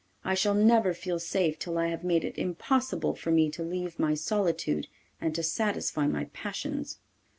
I shall never feel safe till I have made it impossible for me to leave my solitude and to satisfy my passions.